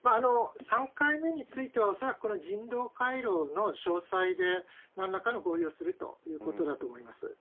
３回目については、恐らくこの人道回廊の詳細で、なんらかの合意をするということだと思います。